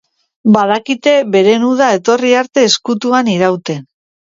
Badakite beren uda etorri arte ezkutuan irauten.